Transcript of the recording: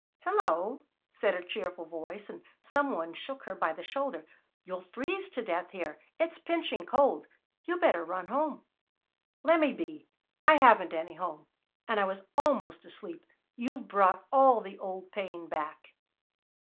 "Hillo!" said a cheerful voice, and some one shook her by the shoulder. "You'll freeze to death here! It's pinching cold! You better run home." "Lemme be. I haven't any home. And I was almost asleep. You've brought all the old pain back."